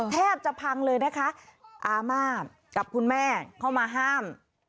แทบจะพังเลยนะคะอาม่ากับคุณแม่เข้ามาห้าม